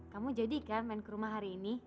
kamu jadi kan main ke rumah hari ini